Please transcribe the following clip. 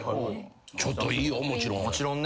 ちょっといいよもちろん。